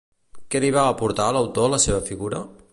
Què li va aportar a l'autor la seva figura?